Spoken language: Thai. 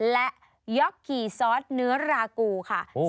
และยกขี่ซอสเนื้อรากูค่ะ